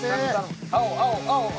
青青青。